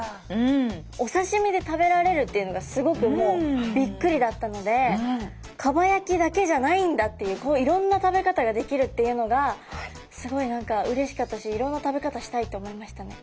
お刺身で食べられるっていうのがすごくもうびっくりだったので蒲焼きだけじゃないんだっていういろんな食べ方ができるっていうのがすごい何かうれしかったしいろんな食べ方したいって思いましたね。